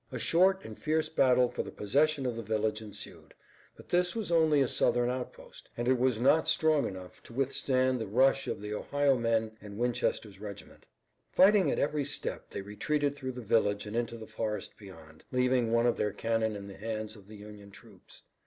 A short and fierce battle for the possession of the village ensued, but this was only a Southern outpost, and it was not strong enough to withstand the rush of the Ohio men and Winchester's regiment. Fighting at every step they retreated through the village and into the forest beyond, leaving one of their cannon in the hands of the Union troops.